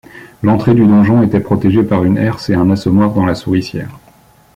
L'entrée du donjon était protégée par une herse et un assommoir dans la souricière.